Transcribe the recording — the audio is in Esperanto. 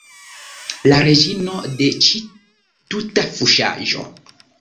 La reĝino de ĉi tuta fuŝaĵo!